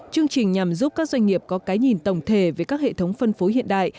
chương trình nhằm giúp các doanh nghiệp có cái nhìn tổng thể về các hệ thống phân phối hiện đại